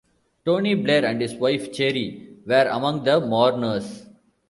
Tony Blair and his wife Cherie were among the mourners.